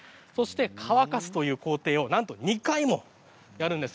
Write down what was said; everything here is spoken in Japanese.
乾かすという工程を２回もやるんです。